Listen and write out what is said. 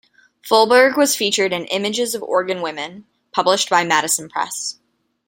Folberg was featured in "Images of Oregon Women", published by Madison Press.